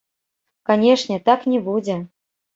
Канешне, так не будзе.